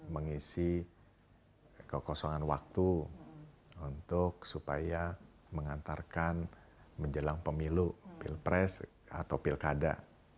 mengisi kekosongan waktu untuk supaya mengantarkan menjelang pemilu pilpres atau pilkada